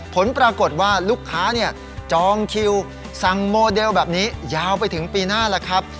ผลปรากฏว่าลูกค้าจองคิวสั่งโมเดลแบบนี้ยาวไปถึงปีหน้าแล้วครับ